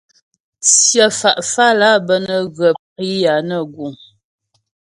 Tsyə fá fálà bə́ nə́ ghə priyà nə guŋ.